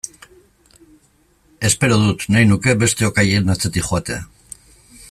Espero dut, nahi nuke, besteok haien atzetik joatea!